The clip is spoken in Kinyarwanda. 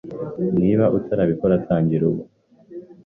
Niba utarabikora tangira ubu